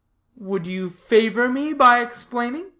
"Would you favor me by explaining?"